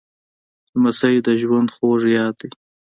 لمسی د ژوند خوږ یاد دی.